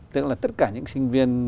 tức là tất cả những sinh viên